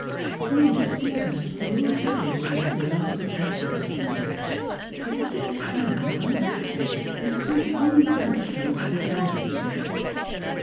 From this he passed to a glorification of the art of advertisement. It was the triumph of our century, the supreme outcome of civilisation!